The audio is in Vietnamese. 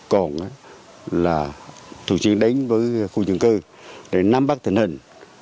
còn là thường xuyên đến với khu dân cư để nắm bắt tình hình